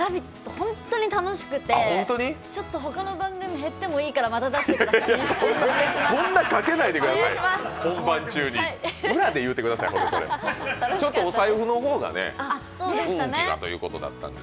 本当に楽しくて、ほかの番組減ってもいいからまた出してください、お願いします。